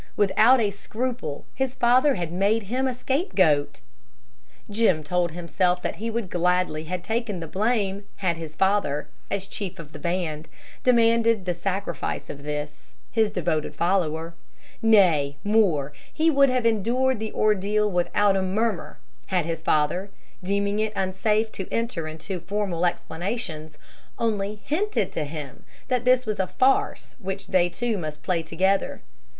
Without a scruple, his father had made him a scapegoat. Jim told himself that he would gladly have taken the blame had his father, as chief of the band, demanded the sacrifice of this, his devoted follower. Nay, more, he would have endured the ordeal without a murmur had his father, deeming it unsafe to enter into formal explanations, only hinted to him that this was a farce which they two must play together.